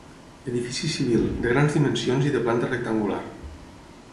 Edifici civil, de grans dimensions i de planta rectangular.